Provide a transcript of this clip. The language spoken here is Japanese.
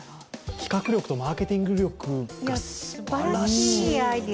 企画力とマーケティング力がすばらしい。